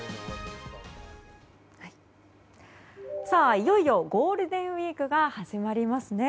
いよいよゴールデンウィークが始まりますね。